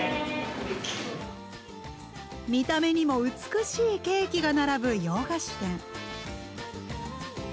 見た目にも美しいケーキが並ぶ洋菓子店。